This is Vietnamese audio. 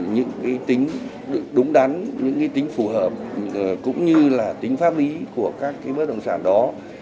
những tính đúng đắn những tính phù hợp cũng như là tính pháp lý của các bất động sản đó